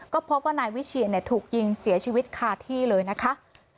ก็พบว่านายวิเชียนถูกยิงเสียชีวิตคาที่เลยนะคะ